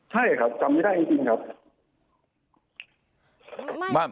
ใช่ครับจำไม่ได้จริงครับ